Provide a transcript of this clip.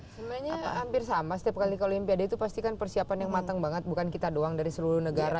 sebenarnya hampir sama setiap kali ke olimpiade itu pasti kan persiapan yang matang banget bukan kita doang dari seluruh negara